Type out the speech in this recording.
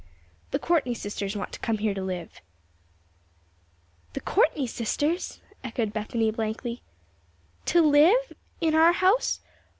"The Courtney sisters want to come here to live." "The Courtney sisters!" echoed Bethany, blankly. "To live! In our house?